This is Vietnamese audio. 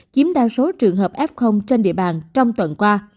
chiếm đa số trường hợp f trên địa bàn trong tuần qua